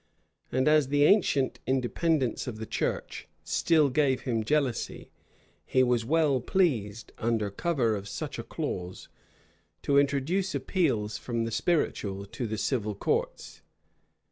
And as the ancient independence of the church still gave him jealousy, he was well pleased, undercover of such a clause, to introduce appeals from the spiritual to the civil courts.